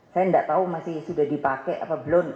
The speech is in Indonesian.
saya nggak tahu masih sudah dipakai apa belum